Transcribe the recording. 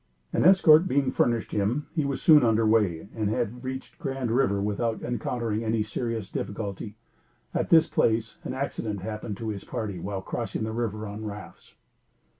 An escort being furnished him, he was soon under way, and had reached Grand River without encountering any serious difficulty. At this place an accident happened to his party while crossing the river on rafts.